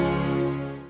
apakah tak remembered com